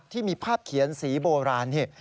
ที่มีภาพเขียนสีโบราณนี่